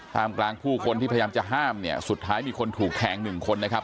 มกลางผู้คนที่พยายามจะห้ามเนี่ยสุดท้ายมีคนถูกแทงหนึ่งคนนะครับ